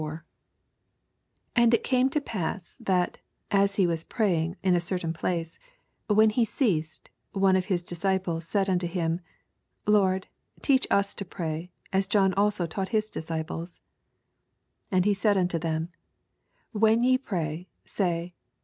1 And it oame to pass, that, as be was praying in a oertun place, when He ceased, one of his disciples said anto him, Lord, teach us to pray, as John also taught his disciples. 2 And he said nnto them, When jre pray, say.